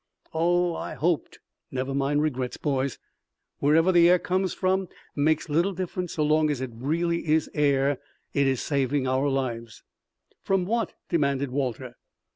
"Oh. I hoped " "Never mind regrets, boys. Wherever the air comes from makes little difference so long as it really is air. It is saving our lives." "From what?" demanded Walter.